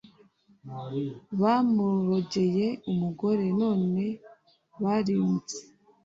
Bamurogeye umugore none barimutse